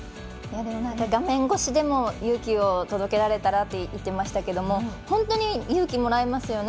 画面越しでも勇気を届けられたらと言ってましたけど本当に勇気もらいますよね。